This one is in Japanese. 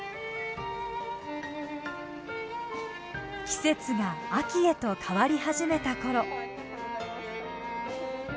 季節が秋へと変わり始めたころ。